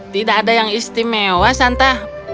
tidak ada yang istimewa santa